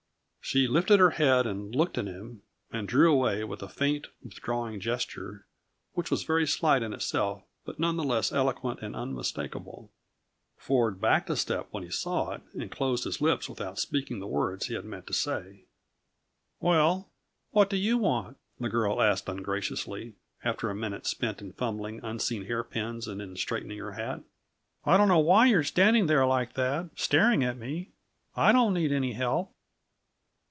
She lifted her head and looked at him, and drew away with a faint, withdrawing gesture, which was very slight in itself but none the less eloquent and unmistakable. Ford backed a step when he saw it and closed his lips without speaking the words he had meant to say. [Illustration: She lifted her head and looked at him, and drew away.] "Well, what do you want?" the girl asked ungraciously, after a minute spent in fumbling unseen hairpins and in straightening her hat. "I don't know why you're standing there like that, staring at me. I don't need any help."